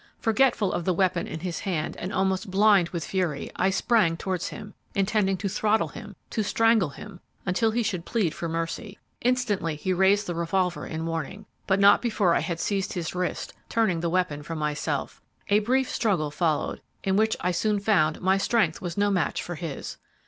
Forgetful of the weapon in his hand and almost blind with fury, I sprang towards him, intending to throttle him to strangle him until he should plead for mercy. Instantly he raised the revolver in warning, but not before I had seized his wrist, turning the weapon from myself. A brief struggle followed, in which I soon found my strength was no match for his.